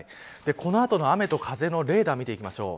この後の雨と風のレーダーを見ていきましょう。